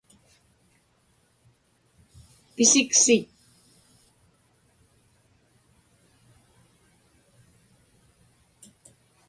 pisiksit